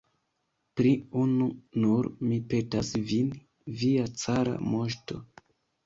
Pri unu nur mi petas vin, via cara moŝto!